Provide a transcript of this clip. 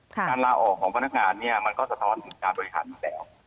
การลาออกของพนักงานเนี่ยมันก็สะท้อนถึงการบริหารอยู่แล้ว